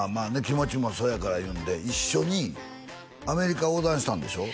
気持ちもそうやからいうんで一緒にアメリカ横断したんでしょ？